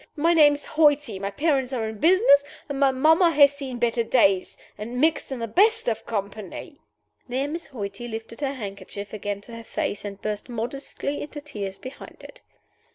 My name is Hoighty. My parents are in business, and my mamma has seen better days, and mixed in the best of company." There Miss Hoighty lifted her handkerchief again to her face, and burst modestly into tears behind it.